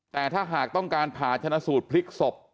แต่ถ้าหากต้องการผ่าชนะสูตรพลิกศพ